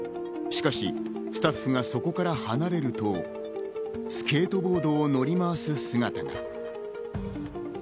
しかしスタッフがそこから離れるとスケートボードを乗り回す姿が。